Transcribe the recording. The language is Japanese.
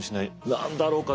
何だろうか。